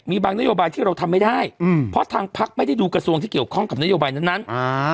มีบางนโยบายที่เราทำไม่ได้อืมเพราะทางพักไม่ได้ดูกระทรวงที่เกี่ยวข้องกับนโยบายนั้นนั้นอ่า